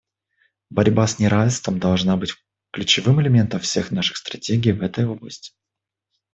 Борьба с неравенством должна быть ключевым элементом всех наших стратегий в этой области.